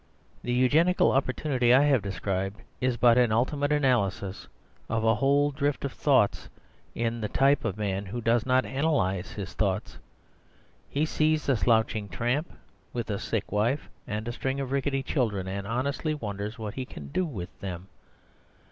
The eugenical opportunity I have described is but an ultimate analysis of a whole drift of thoughts in the type of man who does not analyse his thoughts. He sees a slouching tramp, with a sick wife and a string of rickety children, and honestly wonders what he can do with them.